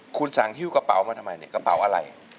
คุณสั่งฮิ้วกระเป๋ามาทำไมเนี่ยกระเป๋าอะไร